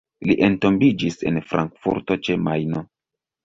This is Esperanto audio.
Li entombiĝis en Frankfurto ĉe Majno.